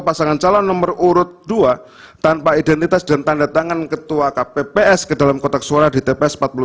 pasangan calon nomor urut dua tanpa identitas dan tanda tangan ketua kpps ke dalam kotak suara di tps empat puluh sembilan